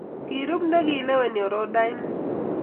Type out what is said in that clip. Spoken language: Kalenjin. Kirub ne koleweni orodaini?